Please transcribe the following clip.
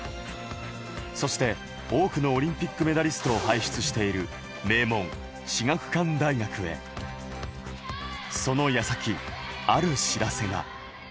そして多くのオリンピックメダリスト輩出している名門・至学館大学でその矢先、ある知らせが。